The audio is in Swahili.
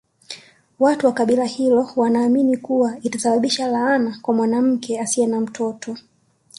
Watu wa kabila hilo wanaamini kuwa itasababisha laana kwa mwanamke asiye na mtoto